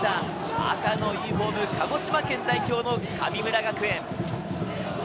赤のユニホーム、鹿児島県代表の神村学園。